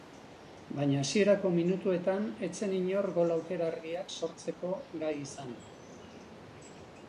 Baina hasierako minutuetan ez zen inor gol aukera argiak sortzeko gai izan.